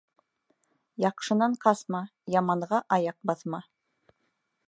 Яҡшынан ҡасма, яманға аяҡ баҫма.